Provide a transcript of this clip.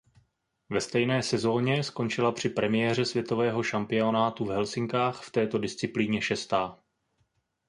Ve stejné sezóně skončila při premiéře světového šampionátu v Helsinkách v této disciplíně šestá.